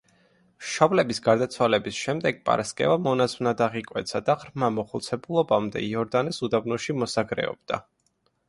მშობლების გარდაცვალების შემდეგ პარასკევა მონაზვნად აღიკვეცა და ღრმა მოხუცებულობამდე იორდანეს უდაბნოში მოსაგრეობდა.